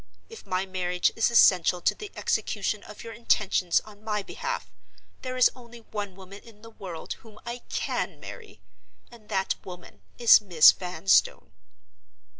If my marriage is essential to the execution of your intentions on my behalf, there is only one woman in the world whom I can marry, and that woman is Miss Vanstone."